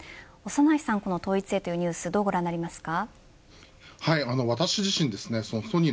長内さんは統一へのニュースをどうご覧になりますか。